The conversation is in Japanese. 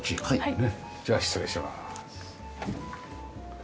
はい。